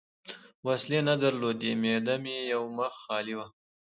وسلې نه درلودې، معده مې یو مخ خالي وه.